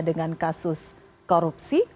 dengan kasus korupsi